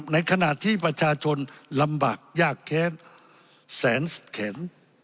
ในขณะที่ประชาชนลำบากยากแค้นแสนเข็น